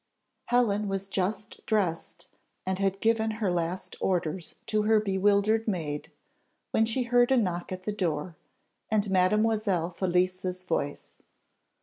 Helen was just dressed, and had given her last orders to her bewildered maid, when she heard a knock at the door, and Mademoiselle Felicie's voice.